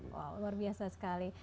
wow luar biasa sekali